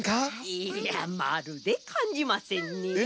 いやまるでかんじませんね。